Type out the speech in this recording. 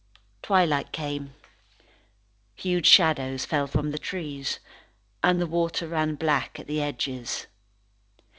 Twilight came. Huge shadows fell from the trees, and the water ran black at the edges.